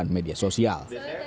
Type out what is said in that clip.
dan kejadiannya juga terlalu berat